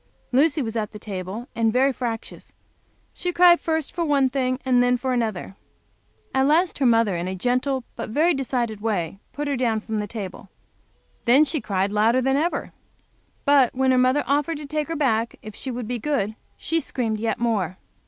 Lucy was at the table, and very fractious. She cried first for one thing and then for another. At last her mother in a gentle, but very decided way put her down from the table. Then she cried louder than ever. But when her mother offered to take her back if she would be good, she screamed yet more.